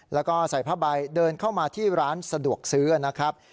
แล้วก็ใส่ผ้าใบเดินเข้ามาที่ร้านสะดวกซื้อนะครับ